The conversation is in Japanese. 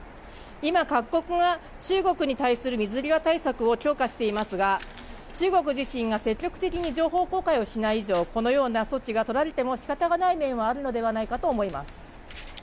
今各国が中国に対する水際対策を強化していますが中国自身が積極的に情報公開をしない以上、このような措置がとられても仕方がない面はあるのではないかと思います。